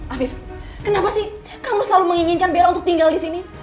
afif kenapa sih kamu selalu menginginkan bero untuk tinggal di sini